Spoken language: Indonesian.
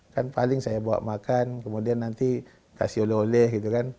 kan paling saya bawa makan kemudian nanti kasih oleh oleh gitu kan